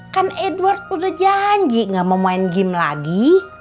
kan edward udah janji gak mau main game lagi